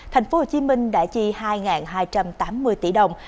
thành phố hồ chí minh đã chi hai hai trăm tám mươi tỷ đồng